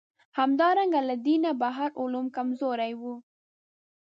همدارنګه له دینه بهر علوم کمزوري وو.